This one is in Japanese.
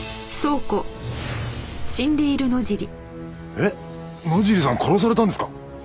えっ野尻さん殺されたんですか！？